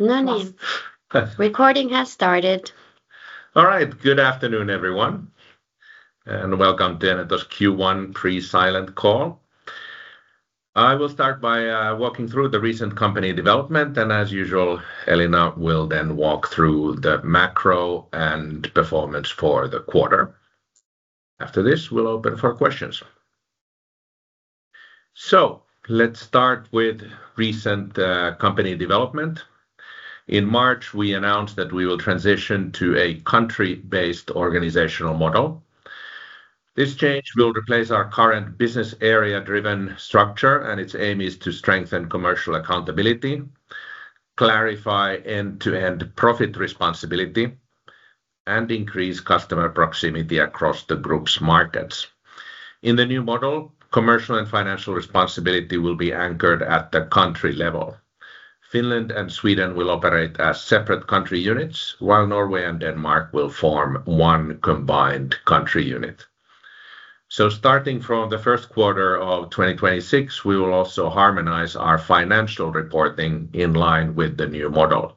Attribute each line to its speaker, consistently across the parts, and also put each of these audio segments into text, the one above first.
Speaker 1: No name. Recording has started.
Speaker 2: All right. Good afternoon, everyone, and welcome to Enento's Q1 pre-silent call. I will start by walking through the recent company development, and as usual, Elina will then walk through the macro and performance for the quarter. After this, we'll open for questions. Let's start with recent company development. In March, we announced that we will transition to a country-based organizational model. This change will replace our current business area-driven structure, and its aim is to strengthen commercial accountability, clarify end-to-end profit responsibility, and increase customer proximity across the group's markets. In the new model, commercial and financial responsibility will be anchored at the country level. Finland and Sweden will operate as separate country units, while Norway and Denmark will form one combined country unit. Starting from the first quarter of 2026, we will also harmonize our financial reporting in line with the new model.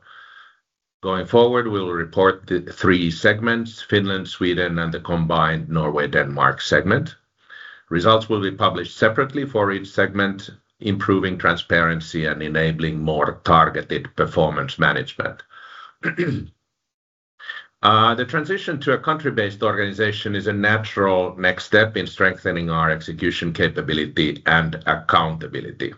Speaker 2: Going forward, we will report the three segments: Finland, Sweden, and the combined Norway-Denmark segment. Results will be published separately for each segment, improving transparency and enabling more targeted performance management. The transition to a country-based organization is a natural next step in strengthening our execution capability and accountability.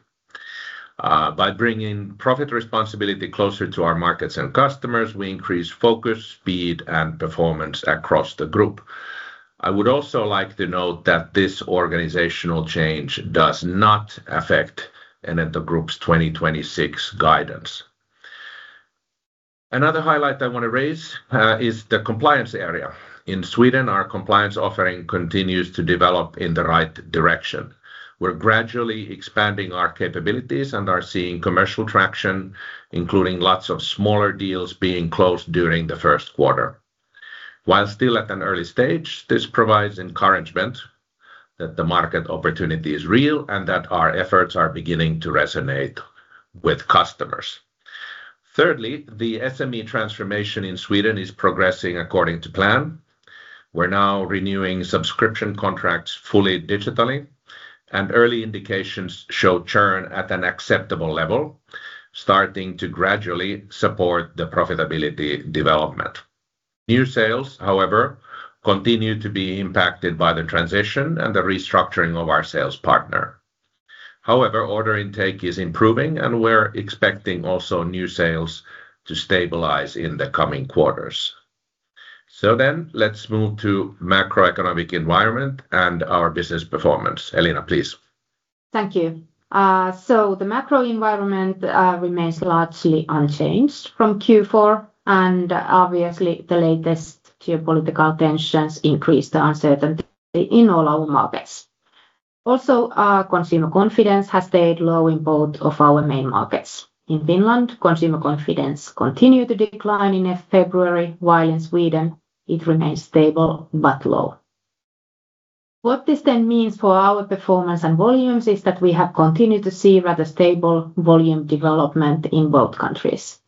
Speaker 2: By bringing profit responsibility closer to our markets and customers, we increase focus, speed, and performance across the group. I would also like to note that this organizational change does not affect Enento Group's 2026 guidance. Another highlight I want to raise is the compliance area. In Sweden, our compliance offering continues to develop in the right direction. We're gradually expanding our capabilities and are seeing commercial traction, including lots of smaller deals being closed during the first quarter. While still at an early stage, this provides encouragement that the market opportunity is real and that our efforts are beginning to resonate with customers. Thirdly, the SME transformation in Sweden is progressing according to plan. We're now renewing subscription contracts fully digitally, and early indications show churn at an acceptable level, starting to gradually support the profitability development. New sales, however, continue to be impacted by the transition and the restructuring of our sales partner. However, order intake is improving, and we're expecting also new sales to stabilize in the coming quarters. Let's move to macroeconomic environment and our business performance. Elina, please.
Speaker 1: Thank you. The macro environment remains largely unchanged from Q4, and obviously, the latest geopolitical tensions increase the uncertainty in all our markets. Also, our consumer confidence has stayed low in both of our main markets. In Finland, consumer confidence continued to decline in February, while in Sweden, it remains stable but low. What this then means for our performance and volumes is that we have continued to see rather stable volume development in both countries.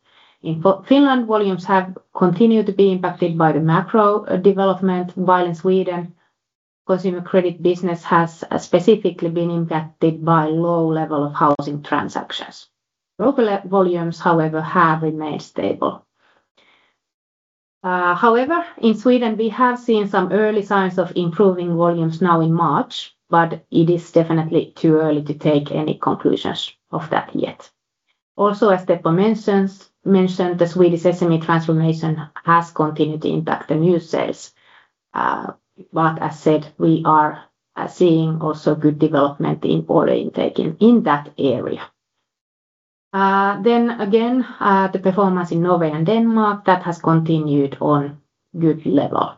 Speaker 1: In Finland, volumes have continued to be impacted by the macro development, while in Sweden, consumer credit business has specifically been impacted by low level of housing transactions. Overall volumes, however, have remained stable. However, in Sweden, we have seen some early signs of improving volumes now in March, but it is definitely too early to take any conclusions of that yet. As Teppo mentioned, the Swedish SME transformation has continued to impact the net sales. As said, we are seeing also good development in order intake in that area. The performance in Norway and Denmark that has continued on good level.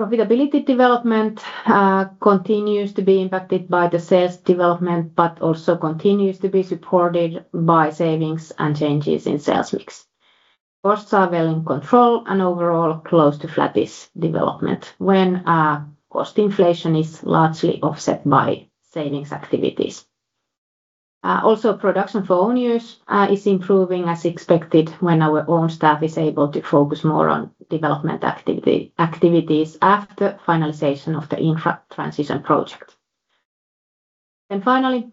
Speaker 1: Profitability development continues to be impacted by the sales development, but also continues to be supported by savings and changes in sales mix. Costs are well in control and overall close to flattish development when cost inflation is largely offset by savings activities. Also production for owners is improving as expected when our own staff is able to focus more on development activities after finalization of the IT infrastructure consolidation project. Finally,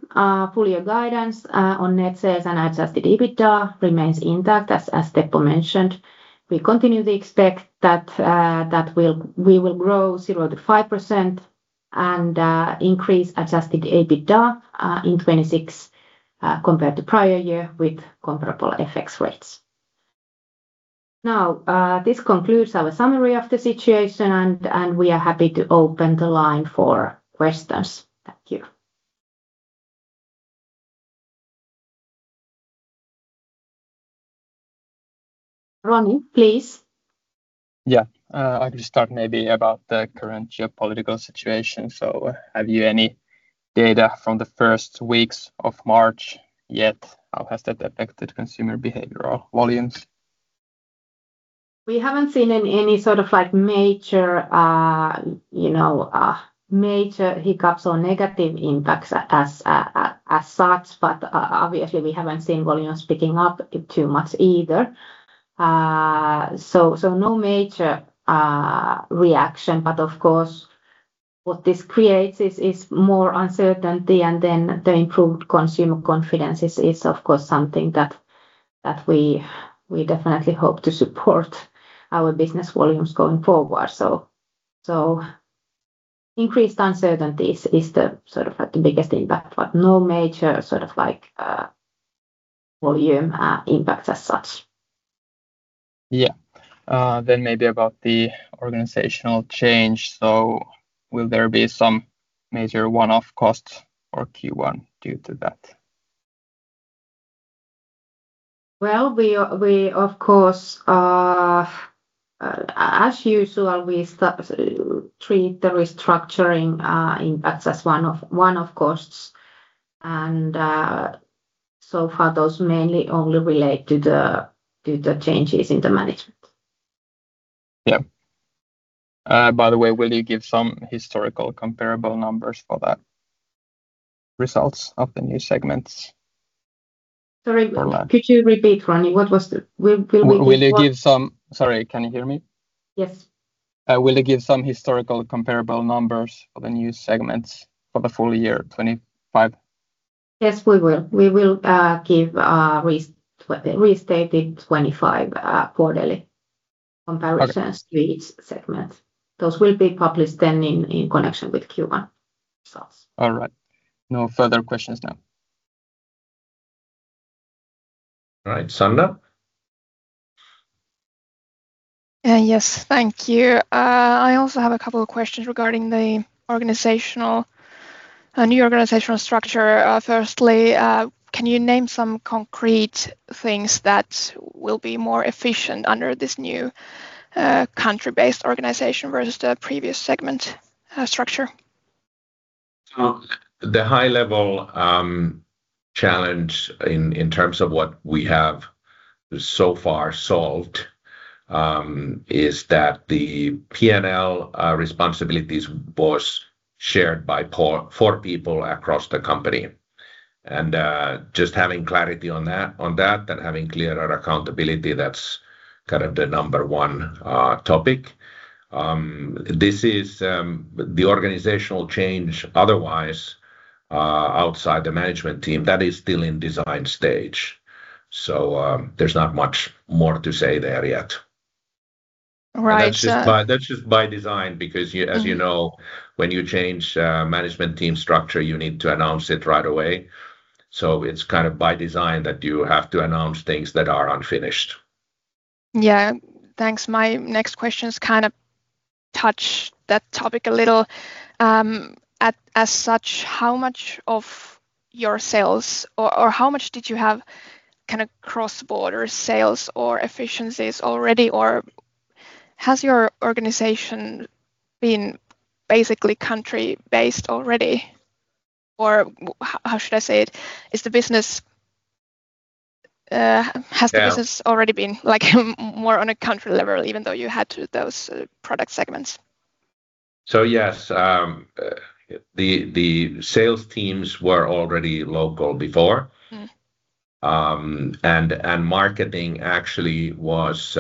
Speaker 1: full-year guidance on net sales and adjusted EBITDA remains intact. As Teppo mentioned, we continue to expect that we will grow 0%-5% and increase adjusted EBITDA in 2026 compared to prior year with comparable FX rates. Now this concludes our summary of the situation, and we are happy to open the line for questions. Thank you. Roni, please.
Speaker 3: Yeah. I could start maybe about the current geopolitical situation. Have you any data from the first weeks of March yet? How has that affected consumer behavior or volumes?
Speaker 1: We haven't seen any sort of like major you know hiccups or negative impacts as such, but obviously we haven't seen volumes picking up too much either. No major reaction. Of course, what this creates is more uncertainty and then the improved consumer confidence is of course something that we definitely hope to support our business volumes going forward. Increased uncertainties is the sort of like the biggest impact, but no major sort of like volume impact as such.
Speaker 3: Yeah. Maybe about the organizational change. Will there be some major one-off costs for Q1 due to that?
Speaker 1: Well, we of course, as usual, we treat the restructuring impacts as one-off costs. So far those mainly only relate to the changes in the management.
Speaker 3: Yeah. By the way, will you give some historical comparable numbers for those results of the new segments?
Speaker 1: Sorry.
Speaker 3: Not?
Speaker 1: Could you repeat, Ronnie? Will we give what?
Speaker 3: Sorry, can you hear me?
Speaker 1: Yes.
Speaker 3: Will you give some historical comparable numbers for the new segments for the full year 2025?
Speaker 1: Yes, we will give restated 2025 quarterly comparisons. to each segment. Those will be published then in connection with Q1 results.
Speaker 3: All right. No further questions now.
Speaker 2: All right. Sandra?
Speaker 3: Yes. Thank you. I also have a couple of questions regarding a new organizational structure. Firstly, can you name some concrete things that will be more efficient under this new, country-based organization versus the previous segment structure?
Speaker 2: The high level challenge in terms of what we have so far solved is that the P&L responsibilities was shared by four people across the company. Just having clarity on that and having clearer accountability, that's kind of the number one topic. This is the organizational change otherwise outside the management team that is still in design stage. There's not much more to say there yet.
Speaker 3: All right.
Speaker 2: That's just by design because you as you know, when you change management team structure, you need to announce it right away. It's kind of by design that you have to announce things that are unfinished.
Speaker 3: Yeah. Thanks. My next question is kinda touch that topic a little. As such, how much of your sales or how much did you have kinda cross-border sales or efficiencies already, or has your organization been basically country-based already? Or how should I say it? Is the business has the business already been like more on a country level, even though you had those product segments?
Speaker 2: Yes. The sales teams were already local before marketing actually was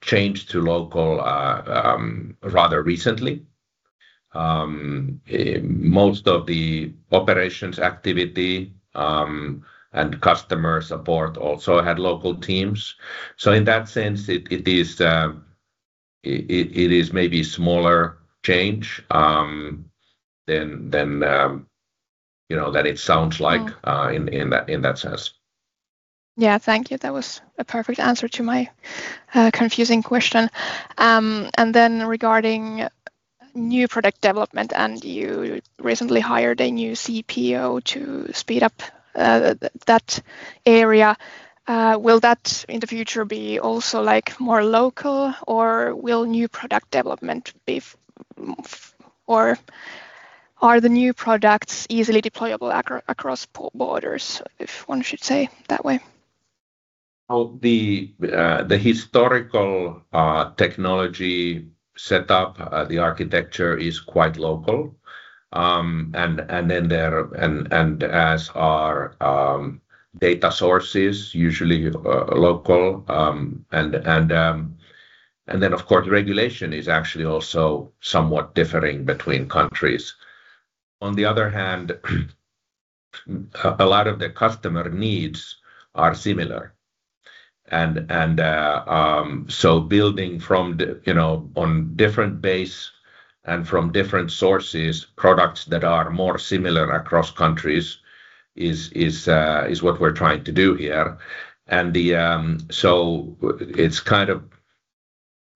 Speaker 2: changed to local rather recently. Most of the operations activity and customer support also had local teams. In that sense, it is maybe smaller change than you know that it sounds like in that sense.
Speaker 3: Yeah. Thank you. That was a perfect answer to my confusing question. Regarding new product development, you recently hired a new CPO to speed up that area. Will that in the future be also like more local, or will new product development be or are the new products easily deployable across borders, if one should say that way?
Speaker 2: Well, the historical technology setup, the architecture is quite local. Our data source is usually local, and then of course regulation is actually also somewhat differing between countries. On the other hand, a lot of the customer needs are similar, so building from the, you know, on different base and from different sources, products that are more similar across countries is what we're trying to do here. So it's kind of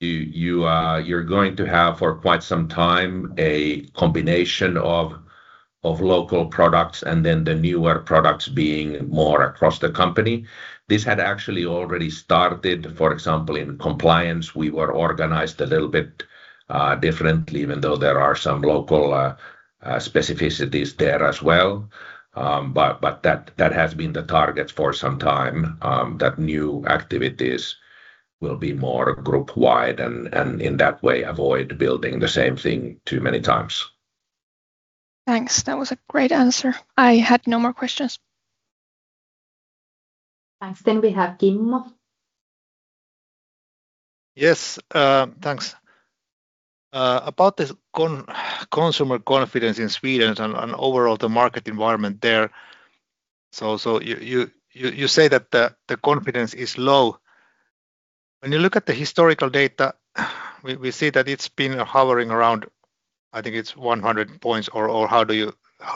Speaker 2: you're going to have for quite some time a combination of local products and then the newer products being more across the company. This had actually already started, for example, in compliance. We were organized a little bit differently even though there are some local specificities there as well. That has been the target for some time that new activities will be more group wide and in that way avoid building the same thing too many times.
Speaker 3: Thanks. That was a great answer. I had no more questions.
Speaker 1: Thanks. We have Kimmo.
Speaker 3: Yes, thanks. About this consumer confidence in Sweden and overall the market environment there. You say that the confidence is low. When you look at the historical data, we see that it's been hovering around, I think it's 100 points or how do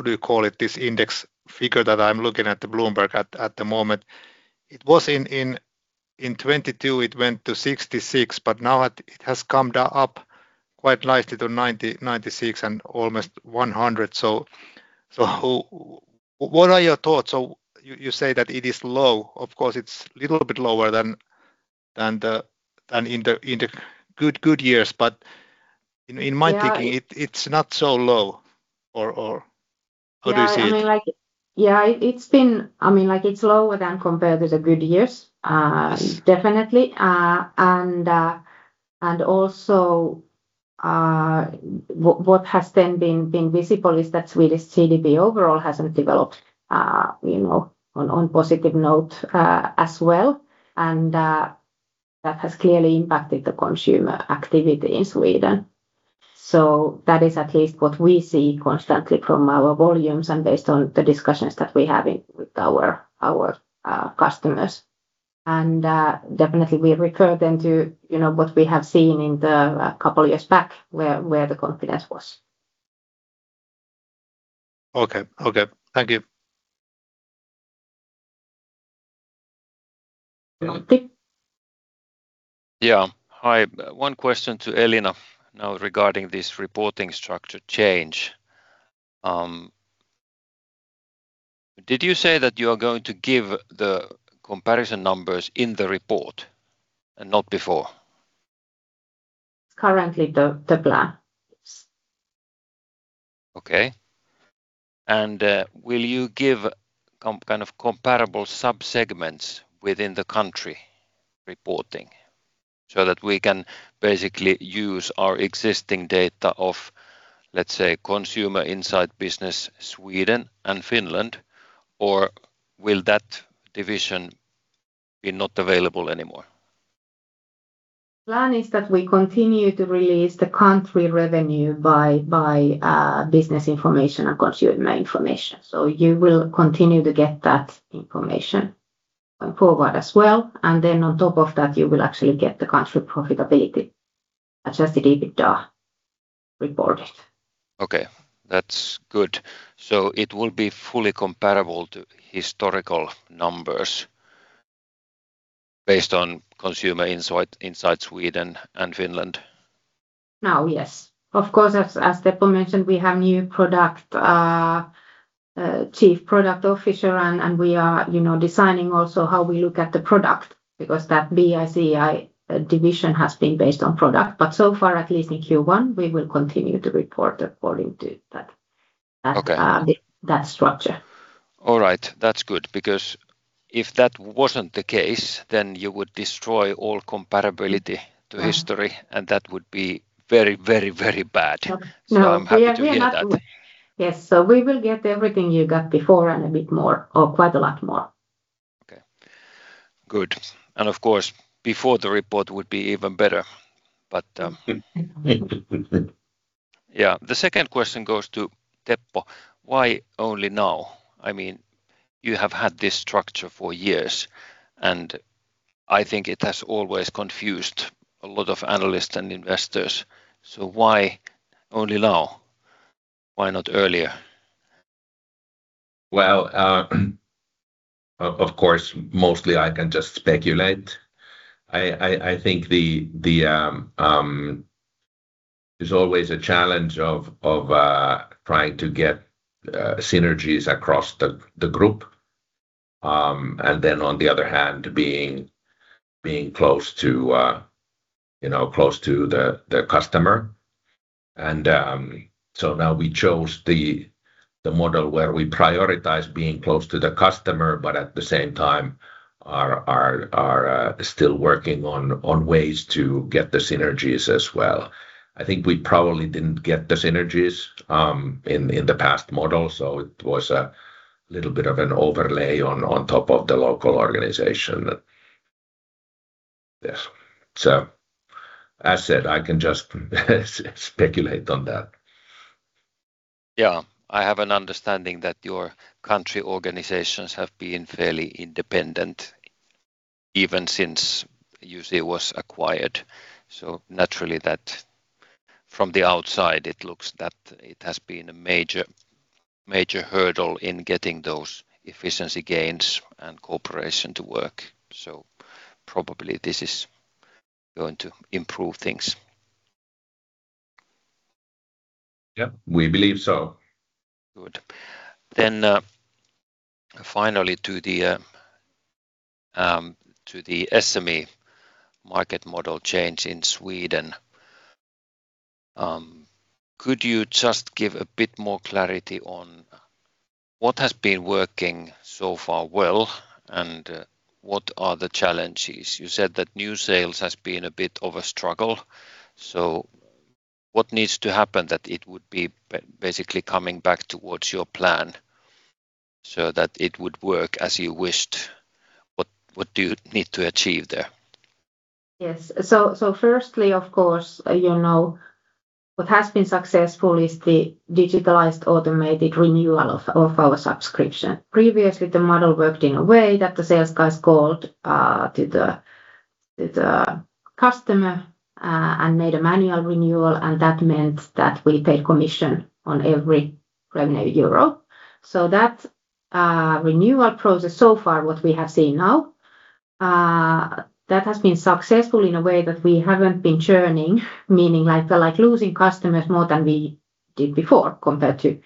Speaker 3: you call it, this index figure that I'm looking at the Bloomberg at the moment? It was in 2022 it went to 66, but now it has come up quite nicely to 96 and almost 100. What are your thoughts? You say that it is low. Of course, it's a little bit lower than in the good years. In my thinking it's not so low. Or how do you see it?
Speaker 1: Yeah, I mean, like, it's lower than compared to the good years. Definitely. Also, what has then been visible is that Swedish GDP overall hasn't developed, you know, on positive note, as well. That has clearly impacted the consumer activity in Sweden. That is at least what we see constantly from our volumes and based on the discussions that we're having with our customers. Definitely we refer them to, you know, what we have seen in the couple years back where the confidence was.
Speaker 3: Okay. Thank you.
Speaker 1: Antti.
Speaker 3: Yeah. Hi. One question to Elina now regarding this reporting structure change. Did you say that you are going to give the comparison numbers in the report and not before?
Speaker 1: Currently the plan.
Speaker 3: Okay. Will you give kind of comparable subsegments within the country reporting so that we can basically use our existing data of, let's say, Consumer Insight business Sweden and Finland? Or will that division be not available anymore?
Speaker 1: Plan is that we continue to release the country revenue by Business Insight and Consumer Insight. You will continue to get that information going forward as well. On top of that, you will actually get the country profitability adjusted EBITDA reported.
Speaker 3: Okay, that's good. It will be fully comparable to historical numbers based on Consumer Insight, in Sweden and Finland.
Speaker 1: Yes. Of course, as Teppo mentioned, we have a new Chief Product Officer, and we are, you know, designing also how we look at the product because that BI/CI division has been based on product. So far, at least in Q1, we will continue to report according to that structure.
Speaker 3: All right. That's good because if that wasn't the case, then you would destroy all comparability to history.
Speaker 1: Mm-hmm.
Speaker 3: That would be very, very, very bad.
Speaker 1: No.
Speaker 3: I'm happy to hear that.
Speaker 1: Yes. We will get everything you got before and a bit more or quite a lot more.
Speaker 3: Okay. Good. Of course, before the report would be even better. Yeah. The second question goes to Teppo. Why only now? I mean, you have had this structure for years, and I think it has always confused a lot of analysts and investors. Why only now? Why not earlier?
Speaker 2: Well, of course, mostly I can just speculate. I think there's always a challenge of trying to get synergies across the group, then on the other hand, being close to, you know, close to the customer. Now we chose the model where we prioritize being close to the customer, but at the same time are still working on ways to get the synergies as well. I think we probably didn't get the synergies in the past model, so it was a little bit of an overlay on top of the local organization. Yes. As said, I can just speculate on that.
Speaker 3: Yeah. I have an understanding that your country organizations have been fairly independent even since UC was acquired. Naturally that from the outside it looks that it has been a major hurdle in getting those efficiency gains and cooperation to work. Probably this is going to improve things.
Speaker 2: Yeah, we believe so.
Speaker 3: Good. Finally to the SME market model change in Sweden. Could you just give a bit more clarity on what has been working so far well, and what are the challenges? You said that new sales has been a bit of a struggle, so what needs to happen that it would be basically coming back towards your plan so that it would work as you wished? What do you need to achieve there?
Speaker 1: Yes. Firstly, of course, you know what has been successful is the digitalized automated renewal of our subscription. Previously, the model worked in a way that the sales guys called the customer and made a manual renewal, and that meant that we paid commission on every revenue euro. That renewal process so far, what we have seen now, has been successful in a way that we haven't been churning, meaning like losing customers more than we did before compared to,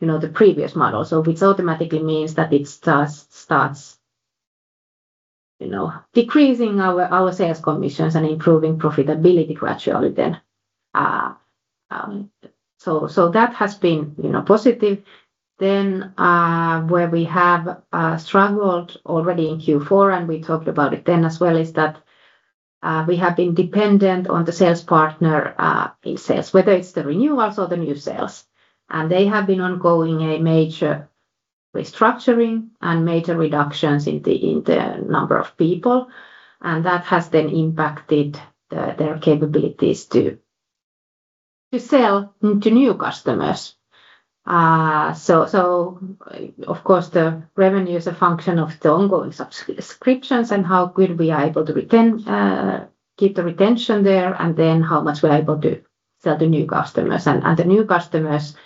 Speaker 1: you know, the previous model. Which automatically means that it starts, you know, decreasing our sales commissions and improving profitability gradually then. That has been, you know, positive. Where we have struggled already in Q4, and we talked about it then as well, is that we have been dependent on the sales partner in sales, whether it's the renewals or the new sales. They have undergone a major restructuring and major reductions in the number of people, and that has then impacted their capabilities to sell to new customers. So of course, the revenue is a function of the ongoing subscriptions and how good we are able to keep the retention there, and then how much we're able to sell to new customers. The new customers,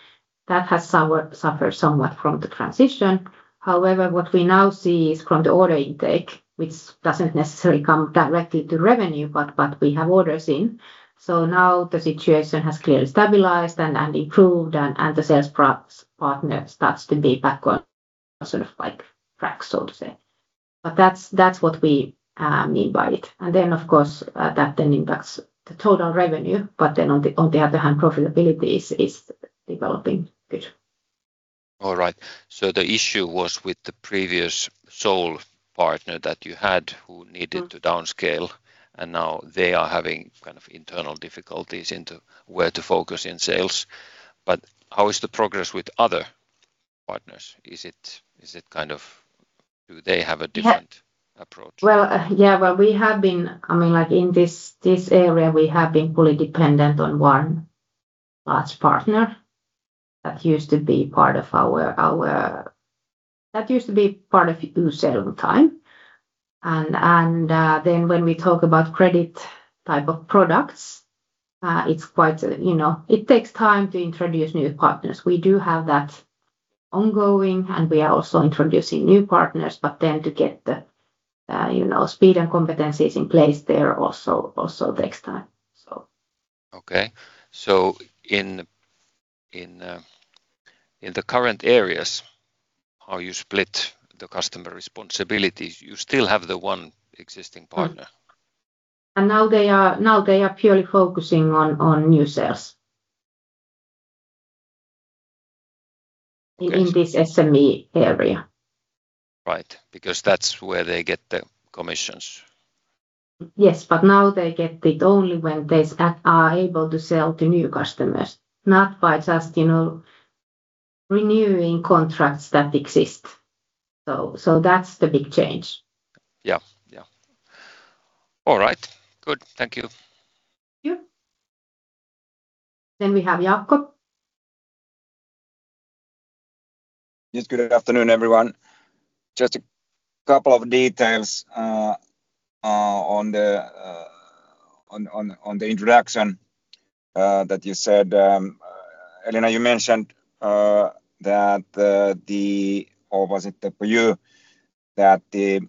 Speaker 1: that has suffered somewhat from the transition. However, what we now see is from the order intake, which doesn't necessarily come directly to revenue, but we have orders in. Now the situation has clearly stabilized and improved and the sales partner starts to be back on sort of like track, so to say. That's what we mean by it. Then of course, that then impacts the total revenue. Then on the other hand, profitability is developing good.
Speaker 3: All right. The issue was with the previous sole partner that you had who needed to downscale, and now they are having kind of internal difficulties into where to focus in sales. How is the progress with other partners? Is it kind of? Do they have a different approach?
Speaker 1: Well, yeah. Well, we have been—I mean, like in this area, we have been fully dependent on one large partner that used to be part of Säljtid. When we talk about credit type of products, it's quite, you know, it takes time to introduce new partners. We do have that ongoing, and we are also introducing new partners, but to get the speed and competencies in place there also takes time, so.
Speaker 3: In the current areas, how you split the customer responsibilities? You still have the one existing partner.
Speaker 1: Now they are purely focusing on new sales in this SME area.
Speaker 3: Right. Because that's where they get the commissions.
Speaker 1: Yes, but now they get it only when they are able to sell to new customers, not by just, you know, renewing contracts that exist. That's the big change.
Speaker 3: Yeah. Yeah. All right. Good. Thank you.
Speaker 1: Thank you. We have Jaakko.
Speaker 3: Yes. Good afternoon, everyone. Just a couple of details on the introduction that you said, Elina, you mentioned that the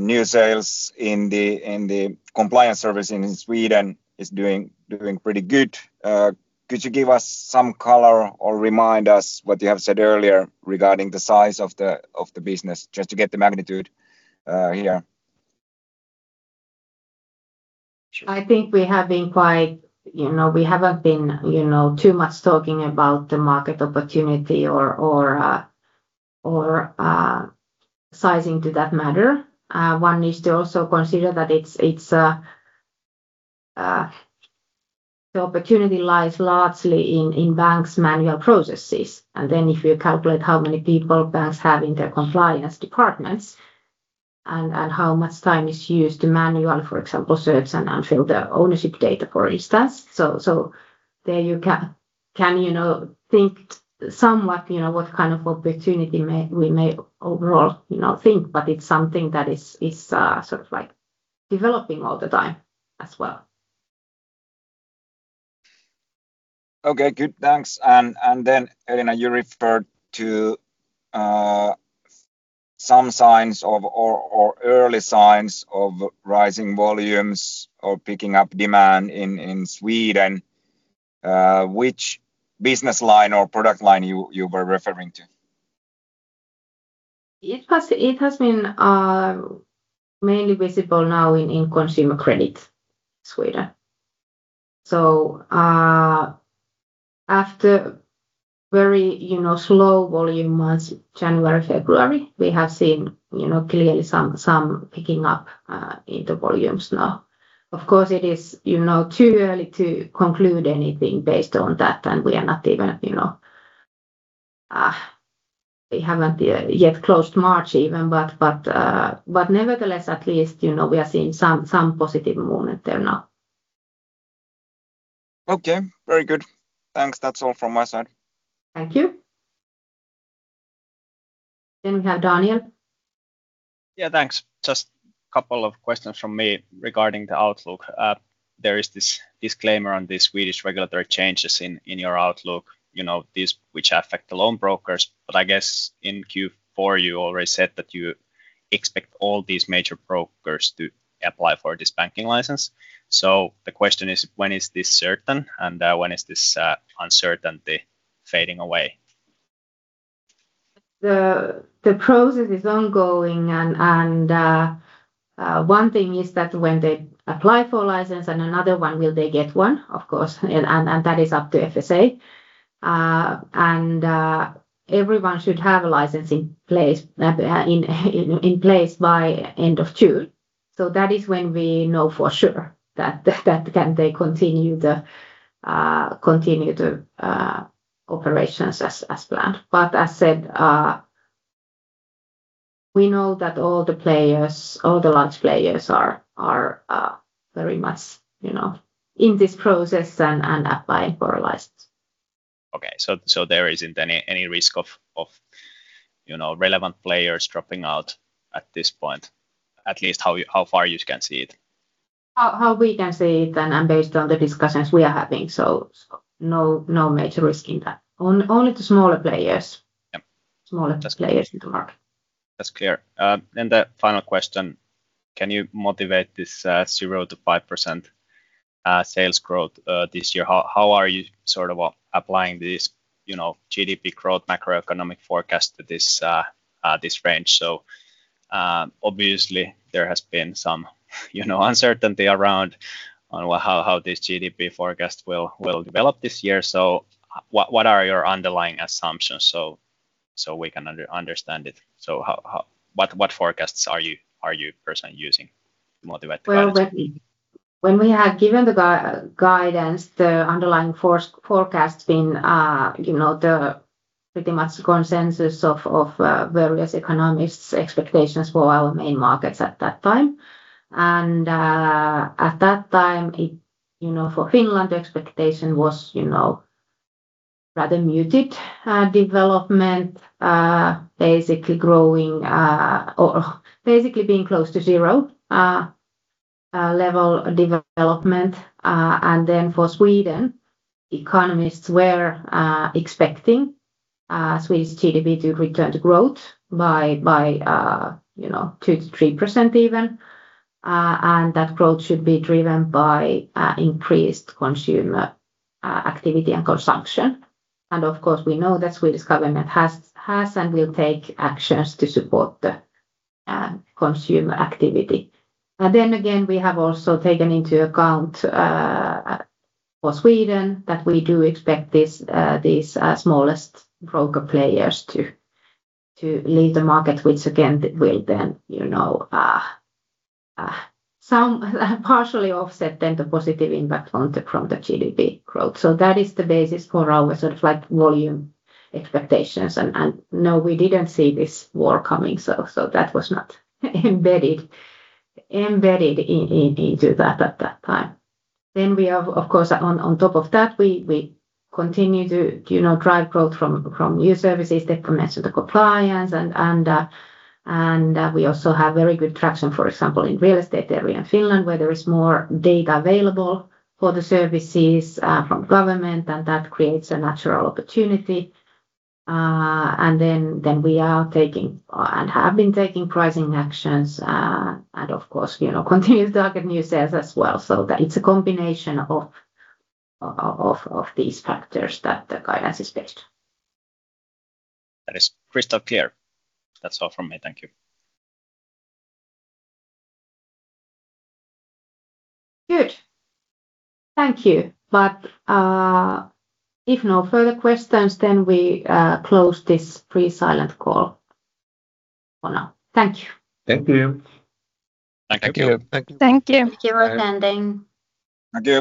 Speaker 3: new sales in the compliance service in Sweden is doing pretty good. Could you give us some color or remind us what you have said earlier regarding the size of the business, just to get the magnitude here?
Speaker 1: You know, we haven't been, you know, too much talking about the market opportunity or sizing to that matter. One needs to also consider that the opportunity lies largely in banks' manual processes. If you calculate how many people banks have in their compliance departments and how much time is used for manual, for example, search and fill the ownership data, for instance. There you can, you know, think somewhat, you know, what kind of opportunity we may overall, you know, think, but it's something that is sort of like developing all the time as well.
Speaker 3: Okay. Good. Thanks. Elina, you referred to some early signs of rising volumes or picking up demand in Sweden. Which business line or product line you were referring to?
Speaker 1: It has been mainly visible now in consumer credit, Sweden. After very, you know, slow volume months, January, February, we have seen, you know, clearly some picking up in the volumes now. Of course, it is, you know, too early to conclude anything based on that, and we are not even, you know. We haven't yet closed March even, but nevertheless, at least, you know, we are seeing some positive movement there now.
Speaker 3: Okay. Very good. Thanks. That's all from my side.
Speaker 1: Thank you. We have Daniel.
Speaker 3: Yeah, thanks. Just a couple of questions from me regarding the outlook. There is this disclaimer on the Swedish regulatory changes in your outlook, you know, this which affect the loan brokers. I guess in Q4 you already said that you expect all these major brokers to apply for this banking license. The question is, when is this certain, and when is this uncertainty fading away?
Speaker 1: The process is ongoing and one thing is that when they apply for a license and another one, will they get one, of course, and that is up to FSA. Everyone should have a license in place by end of June. That is when we know for sure that then they continue the operations as planned. As said, we know that all the large players are very much, you know, in this process and applying for a license.
Speaker 3: Okay. There isn't any risk of, you know, relevant players dropping out at this point, at least how far you can see it?
Speaker 1: Now we can see it and, based on the discussions we are having, no major risk in that. Only to smaller players smaller players in the market.
Speaker 3: That's clear. The final question, can you motivate this 0%-5% sales growth this year? How are you sort of applying this, you know, GDP growth macroeconomic forecast to this range? Obviously there has been some, you know, uncertainty around on how this GDP forecast will develop this year. What are your underlying assumptions, so we can understand it? What forecasts are you personally using to motivate the guidance?
Speaker 1: Well, when we have given the guidance, the underlying forecast has been, you know, pretty much the consensus of various economists' expectations for our main markets at that time. At that time, you know, for Finland, the expectation was, you know, rather muted development, basically growing or basically being close to zero level development. Then for Sweden, economists were expecting Swedish GDP to return to growth by, you know, 2%-3% even. That growth should be driven by increased consumer activity and consumption. Of course, we know that Swedish government has and will take actions to support the consumer activity. We have also taken into account for Sweden that we do expect these smallest broker players to leave the market, which will then you know somewhat partially offset the positive impact from the GDP growth. That is the basis for our sort of like volume expectations. No, we didn't see this war coming, so that was not embedded into that at that time. We are of course on top of that. We continue to you know drive growth from new services, debt management and compliance, and we also have very good traction, for example, in real estate area in Finland, where there is more data available for the services from government, and that creates a natural opportunity. Then we are taking and have been taking pricing actions. Of course, you know, we continue to target new sales as well. That it's a combination of these factors that the guidance is based on.
Speaker 3: That is crystal clear. That's all from me. Thank you.
Speaker 1: Good. Thank you. If no further questions, then we close this pre-silent call for now. Thank you.
Speaker 2: Thank you.
Speaker 3: Thank you.
Speaker 1: Thank you.
Speaker 4: Thank you.
Speaker 1: Thank you for attending.
Speaker 3: Thank you.